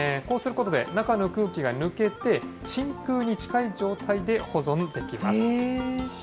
こうすることで、中の空気が抜けて、真空に近い状態で保存できます。